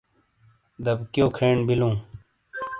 دابکِیو کھین بلوں ۔